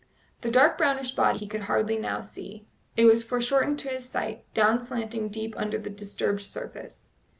The dark brownish body he could hardly now see; it was foreshortened to his sight, down slanting deep under the disturbed surface.